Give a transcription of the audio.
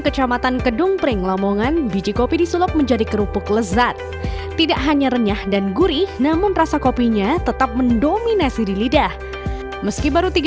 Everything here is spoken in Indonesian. kita tidak lewat internet jadi beberapa daerah sudah tahu kalau kerupuk kopi ada di desa kedung pring